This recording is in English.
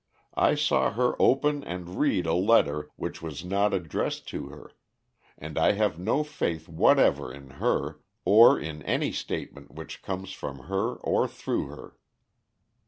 I saw her open and read a letter which was not addressed to her, and I have no faith whatever in her, or in any statement which comes from her or through her."